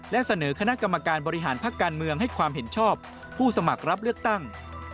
และเสนอคณะกรรมการบริหารพักการเมืองให้ความเห็นชอบผู้สมัครรับเลือกตั้ง